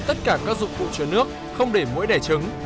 với cả các dụng cụ chế nước không để mũi đẻ trứng